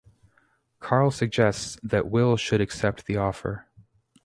Carl suggests that Will should accept the offer.